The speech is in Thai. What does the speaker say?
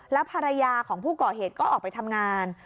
แล้วภรรยาของผู้ก่อเหตุก็ออกไปทำงาน